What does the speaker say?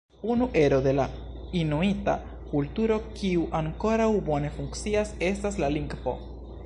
Unu ero de la inuita kulturo kiu ankoraŭ bone funkcias estas la lingvo.